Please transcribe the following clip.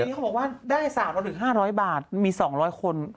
ทีนี้เขาบอกว่าได้สามร้อยบาทหรือห้าร้อยบาทมีสองร้อยคน